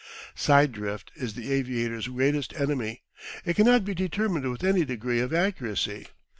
Side drift is the aviator's greatest enemy. It cannot be determined with any degree of accuracy.